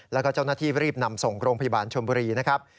แล้วก็เจ้าหน้าที่รีบนำส่งโรงพยาบาลชมบุรีนะครับ